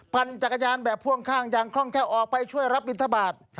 ปั่นจักรยานแบบพ่วงข้างอย่างคล่องแค่ออกไปช่วยรับบินทบาท